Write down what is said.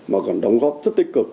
mà còn đóng góp rất tích cực